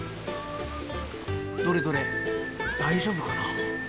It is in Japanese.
どれどれ大丈夫かな？